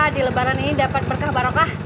di lebaran ini dapat berkah barokah